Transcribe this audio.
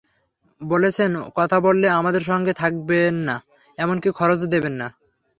বলেছেন, কথা বললে আমাদের সঙ্গে থাকবেন না, এমনকি খরচও দেবেন না।